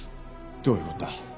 どういうことだ？